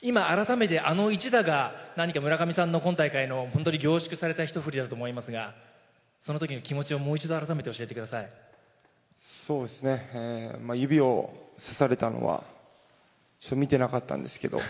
今、改めてあの一打が何か村上さんの今大会の本当に凝縮された一振りだと思いますが、そのときの気持ちをもう一度改めて教えてくださそうですね、指をさされたのは、見てなかったんですけど。